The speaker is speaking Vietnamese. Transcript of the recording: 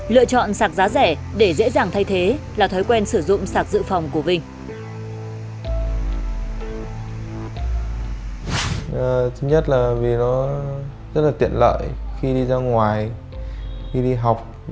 lựa chọn sạc giá rẻ để dễ dàng thay thế là thói quen sử dụng sạc dự phòng của vinh